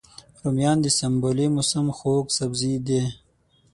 رومیان د سنبلې موسم خوږ سبزی دی